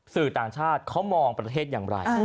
สื่อต่างชาติเขามองประเทศอย่างไร